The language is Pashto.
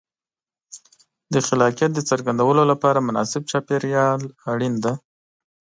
د خلاقیت د څرګندولو لپاره مناسب چاپېریال اړین دی.